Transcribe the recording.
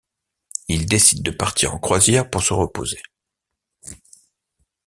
Ils décident de partir en croisière pour se reposer.